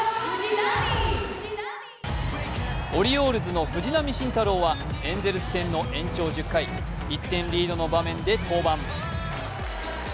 オリオールズの藤浪晋太郎はエンゼルス戦の延長１０回１点リードの場面で登板。